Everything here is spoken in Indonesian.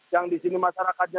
yang di sini masyarakatnya